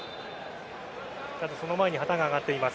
ただ、その前に旗が上がっています。